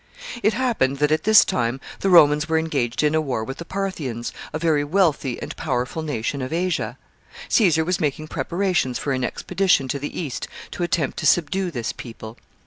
It happened that at this time the Romans were engaged in a war with the Parthians, a very wealthy and powerful nation of Asia. Caesar was making preparations for an expedition to the East to attempt to subdue this people.